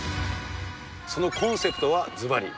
そのコンセプトはずばり。